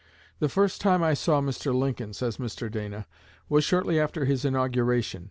"The first time I saw Mr. Lincoln," says Mr. Dana, "was shortly after his inauguration.